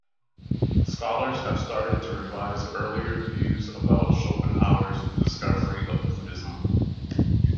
Scholars have started to revise earlier views about Schopenhauer's discovery of Buddhism.